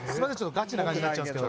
ガチな感じになっちゃうんですけど。